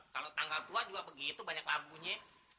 kalau tanggal tua juga begitu banyak lagunya